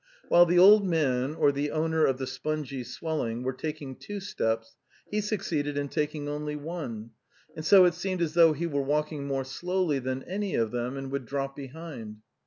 While the old man or the owner of the spongy swelling were taking two steps he succeeded in taking only one, and so it seemed as though he were walking more slowly than any of them, and would drop behind.